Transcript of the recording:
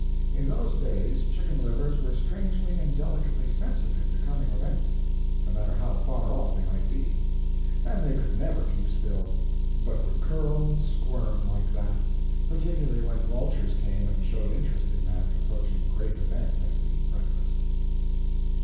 In those days chicken livers were strangely and delicately sensitive to coming events, no matter how far off they might be; and they could never keep still, but would curl and squirm like that, particularly when vultures came and showed interest in that approaching great event and in breakfast.